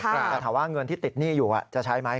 แต่ถามว่าเงินที่ติดหนี้อยู่จะใช้ไหม